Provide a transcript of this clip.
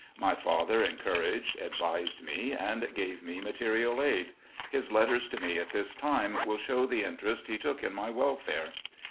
My father encouraged, advised me, and gave me material aid. His letters to me at this time will show the interest he took in my welfare.